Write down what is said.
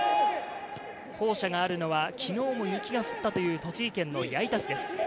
校舎があるのは昨日も雪が降ったという栃木県の矢板市です。